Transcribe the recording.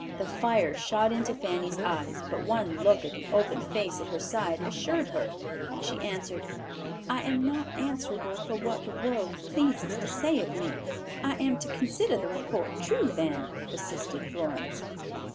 The fire shot in to Fanny's eyes, but one look at the open face at her side assured her, and she answered, "I am not answerable for what the world pleases to say of me." "I am to consider the report true, then," persisted Florence.